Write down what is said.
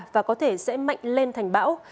và có thể sẽ mạnh lên thành bão